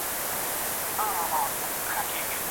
پلان د بریالیتوب لپاره اړین دی.